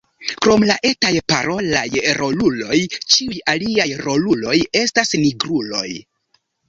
Krom la etaj parolaj roluloj, ĉiuj aliaj roluloj estas nigruloj.